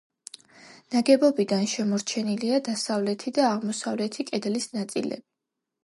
ნაგებობიდან შემორჩენილია დასავლეთი და აღმოსავლეთი კედლის ნაწილები.